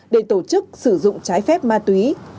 để tổ chức sử dụng trái phép ma túy